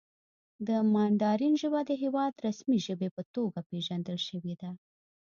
د ماندارین ژبه د هېواد د رسمي ژبې په توګه پېژندل شوې ده.